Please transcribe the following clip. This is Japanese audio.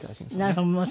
なるほど。